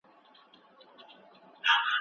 خصوصي سکتور به د هېواد راتلونکی روښانه کړي.